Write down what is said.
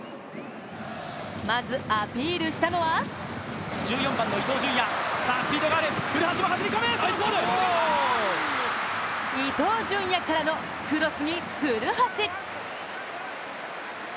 まずアピールしたのは伊東純也からのクロスに古橋！